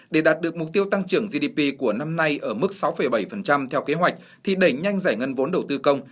để đạt được mục tiêu tăng trưởng gdp của năm nay ở mức sáu bảy theo kế hoạch thì đẩy nhanh giải ngân vốn đầu tư công